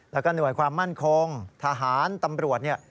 และก็หน่วยความมั่นคงทหารตำรวจ